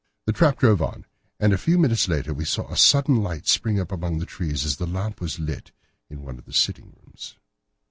The trap drove on, and a few minutes later we saw a sudden light spring up among the trees as the lamp was lit in one of the sitting rooms.